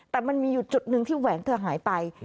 แต่มันมีอยู่จุดหนึ่งที่แหวนเธอหายไป